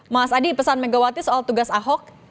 mas adi pesan megawati soal tugas ahok